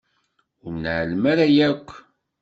Ur nεellem ara yakk.